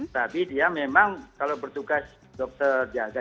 tapi dia memang kalau bertugas dokter jaga